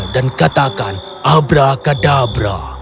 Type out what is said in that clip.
dan katakan abra kadabra